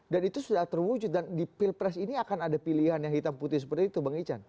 dan itu sudah terwujud dan di pilpres ini akan ada pilihan yang hitam putih seperti itu bang ican